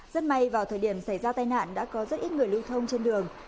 rất may vào thời điểm xảy ra tai nạn đã có rất ít người lưu thông trên đường